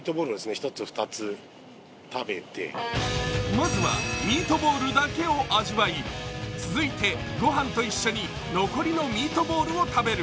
まずはミートボールだけを味わい続いて、御飯と一緒に残りのミートボールを食べる。